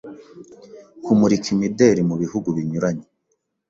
kumurika imideri mu bihugu binyuranye